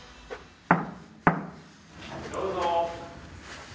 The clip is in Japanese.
どうぞ。